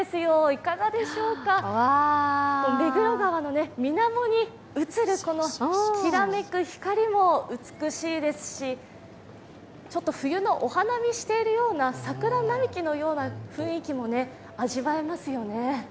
いかがでしょうか、目黒川の水面に映る、このきらめく光も美しいですし、ちょっと冬のお花見をしているような、桜並木のような雰囲気も味わえますよね。